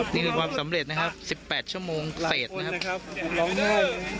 นี่คือความสำเร็จนะครับ๑๘ชั่วโมงเศษนะครับร้องไห้